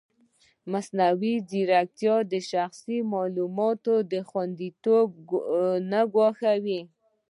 ایا مصنوعي ځیرکتیا د شخصي معلوماتو خوندیتوب نه ګواښي؟